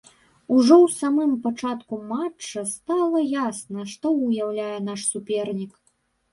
Ужо ў самым пачатку матча стала ясна, што ўяўляе наш супернік.